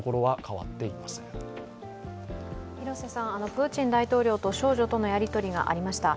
プーチン大統領と少女とのやりとりがありました。